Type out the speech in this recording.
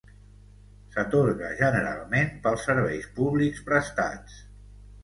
S'atorga generalment pels serveis públics prestats.